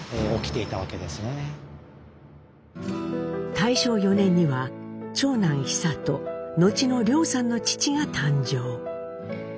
大正４年には長男久渡後の凌さんの父が誕生。